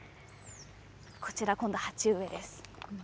こちら、今度、鉢植えです。